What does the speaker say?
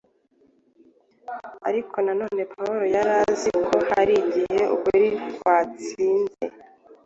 Ariko na none Pawulo yari azi ko hari igihe ukuri kwatsinze.